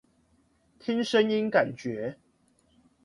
聽聲音感覺